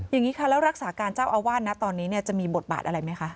อย่างนี้ค่ะแล้วรักษาการเจ้าอาวาสนะตอนนี้จะมีบทบาทอะไรไหมคะ